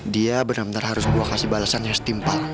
dia bener bener harus gua kasih balesannya setimpal